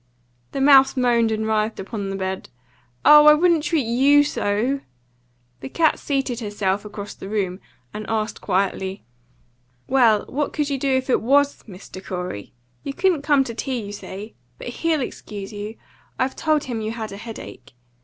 The mouse moaned and writhed upon the bed. "Oh, I wouldn't treat YOU so!" The cat seated herself across the room, and asked quietly "Well, what could you do if it WAS Mr. Corey? You couldn't come to tea, you say. But HE'LL excuse you. I've told him you had a headache.